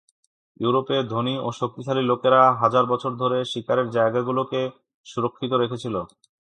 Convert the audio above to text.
ইউরোপে, ধনী ও শক্তিশালী লোকেরা হাজার বছর ধরে শিকারের জায়গাগুলোকে সুরক্ষিত রেখেছিল।